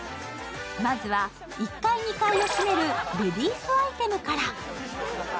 まずは１階、２階を閉めるレディースアイテムから。